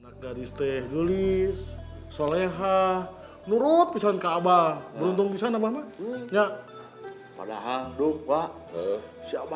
naga di stegelis soleha nurut pisan kabar beruntung bisa nama ya padahal duk pak siapa